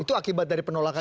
itu akibat dari penolakan